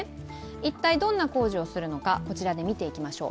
一体どんな工事をするのか見ていきましょう。